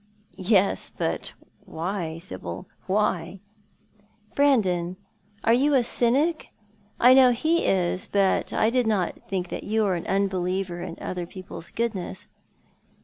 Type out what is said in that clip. " Yes ; but why, Sibyl, why ?"" Brandon, are you a cynic ? I know he is, but I did not think you were an unbeliever in other people's goodness."